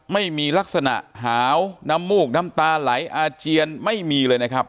ไม่มีลักษณะหาวน้ำมูกน้ำตาไหลอาเจียนไม่มีเลยนะครับ